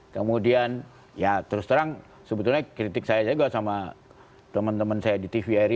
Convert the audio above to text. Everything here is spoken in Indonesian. kemudian ya terus terang sebetulnya kritik saya juga sama teman teman saya di tvri